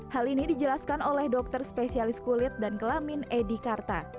hal ini dijelaskan oleh dokter spesialisnya